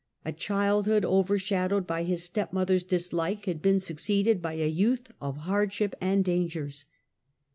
A childhood overshadowed by his stepmother's dislike had been suc ceeded by a youth of hardships and dangers.